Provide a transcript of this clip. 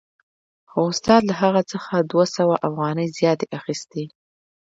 خو استاد له هغه څخه دوه سوه افغانۍ زیاتې اخیستې